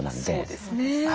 そうですね。